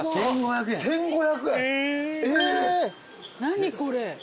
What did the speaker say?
何これ。